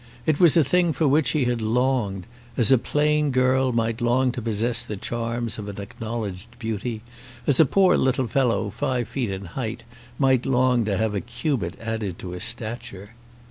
It was a thing for which he had longed, as a plain girl might long to possess the charms of an acknowledged beauty; as a poor little fellow, five feet in height, might long to have a cubit added to his stature.